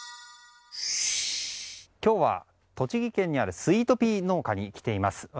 今日は栃木県にあるスイートピー農家に来ています。